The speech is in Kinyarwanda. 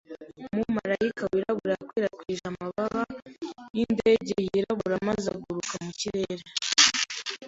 Umumarayika wirabura yakwirakwije amababa yindege yirabura maze aguruka mu kirere.